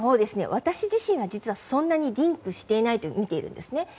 私自身はそんなにリンクしていないと見ているんですね。